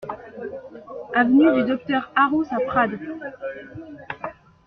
Avenue du Docteur Arrous à Prades